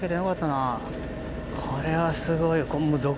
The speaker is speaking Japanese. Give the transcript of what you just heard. これはすごい。